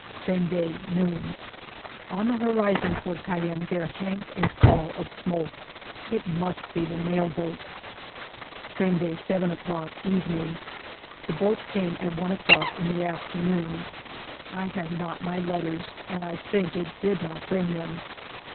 Same day^ noon. On the horizon toward Cayenne there hangs a pall of smoke. It must be the mail boat. Same day, 7 0' clock, evening. The boat came at one o'clock in the afternoon; I have not my letters, and I think it did not bring them.